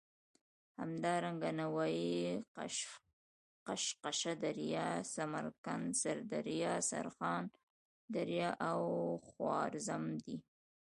همدارنګه نوايي، قشقه دریا، سمرقند، سردریا، سرخان دریا او خوارزم دي.